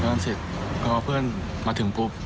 แล้วตอนเสร็จเพราะว่าเพื่อนมาถึงปุ๊บ